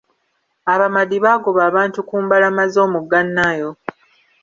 Abamadi baagoba abantu ku mbalama z'omugga Nile.